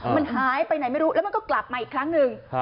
มันหายไปไหนไม่รู้แล้วมันก็กลับมาอีกครั้งหนึ่ง